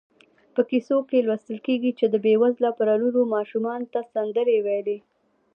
په کیسو کې لوستل کېږي چې بېوزله پلرونو ماشومانو ته سندرې ویلې.